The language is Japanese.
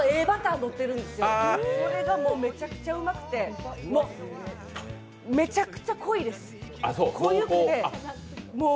バターのってるんですよ、それがめちゃくちゃうまくてめちゃくちゃ濃いですこゆくて。